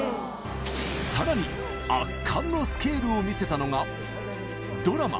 さらに圧巻のスケールを見せたのがドラマ